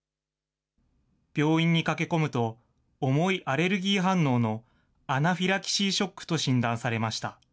病院に駆け込むと、重いアレルギー反応のアナフィラキシーショックと診断されました。